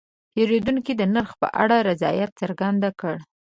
پیرودونکی د نرخ په اړه رضایت څرګند کړ.